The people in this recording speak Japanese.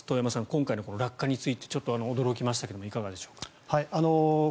今回の落下についてちょっと驚きましたがいかがでしょうか？